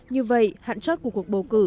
như vậy hạn chót của cuộc bầu cử